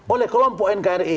oleh kelompok nkri